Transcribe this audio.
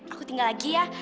aku tinggal lagi ya